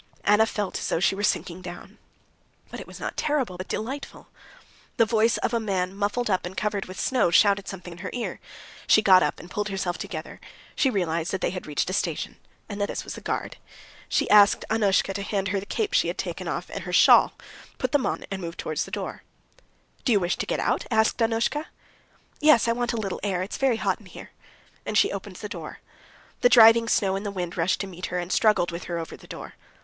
Anna felt as though she were sinking down. But it was not terrible, but delightful. The voice of a man muffled up and covered with snow shouted something in her ear. She got up and pulled herself together; she realized that they had reached a station and that this was the guard. She asked Annushka to hand her the cape she had taken off and her shawl, put them on and moved towards the door. "Do you wish to get out?" asked Annushka. "Yes, I want a little air. It's very hot in here." And she opened the door. The driving snow and the wind rushed to meet her and struggled with her over the door.